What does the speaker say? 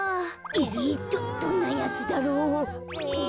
えどんなやつだろう。